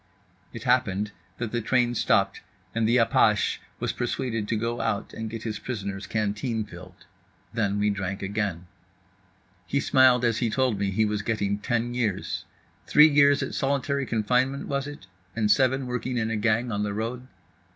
It happened that the train stopped and the apache was persuaded to go out and get his prisoner's canteen filled. Then we drank again. He smiled as he told me he was getting ten years. Three years at solitary confinement was it, and seven working in a gang on the road?